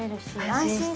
安心して。